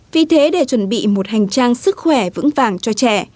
vì thế để chuẩn bị một hành trang sức khỏe vững vàng cho trẻ